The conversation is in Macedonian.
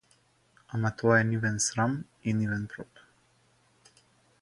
Ама тоа е нивен срам и нивен проблем.